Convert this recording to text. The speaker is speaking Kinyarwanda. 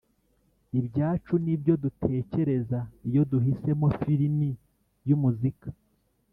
ibyacu n ibyo dutekereza Iyo duhisemo firimi n umuzika